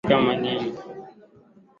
wamaasai walidai kuongezewa eneo la malisho